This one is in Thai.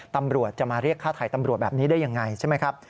ตำรวจจะมาเรียกฆ่าไทยตำรวจแบบนี้ได้ยังไงใช่ไหมครับ